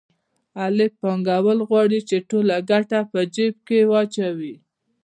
الف پانګوال غواړي چې ټوله ګټه په جېب کې واچوي